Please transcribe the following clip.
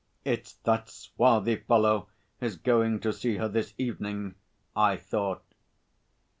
"It's that swarthy fellow is going to see her this evening," I thought.